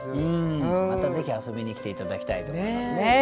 またぜひ遊びに来て頂きたいと思いますね。